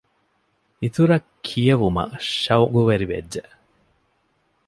އިތުރަށް ކިޔެވުމަށް ޝަައުޤުވެރިވެއްޖެ